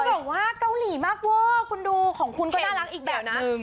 บอกว่าเกาหลีมากเวอร์คุณดูของคุณก็น่ารักอีกแบบนะ